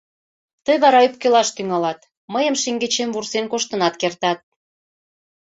Тый вара ӧпкелаш тӱҥалат, мыйым шеҥгечем вурсен коштынат кертат.